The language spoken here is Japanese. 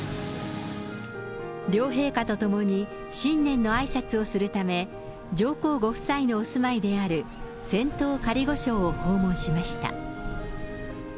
両陛下とともに、新年のあいさつをするため、上皇ご夫妻のお住まいであるせんとう仮御所を訪問されました。